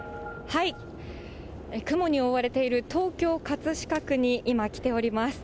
雲に覆われている東京・葛飾区に今、来ております。